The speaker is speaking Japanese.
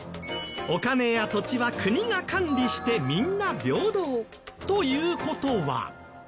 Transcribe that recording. お金や土地は国が管理してみんな平等という事は。